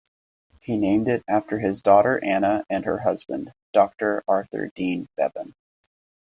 He named it after his daughter Anna and her husband, Doctor Arthur Dean Bevan.